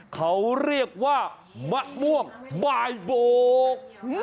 เขาเรียกว่ามะม่วงบ่ายโบก